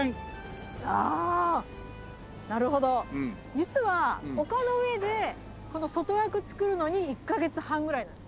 実はおかの上でこの外枠造るのに１カ月半ぐらいなんです。